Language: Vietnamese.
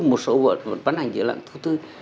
một số bộ vẫn bán hành dưới dạng thống tư